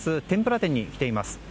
天ぷら店に来ています。